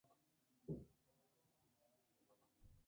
Ese mismo día a Karen se le detecta que está embarazada.